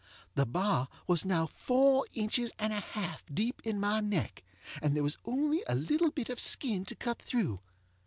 The bar was now four inches and a half deep in my neck, and there was only a little bit of skin to cut through.